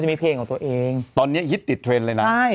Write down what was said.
มีเพลงของตัวเองตอนนี้ฮิตติดเทรนด์เลยนะใช่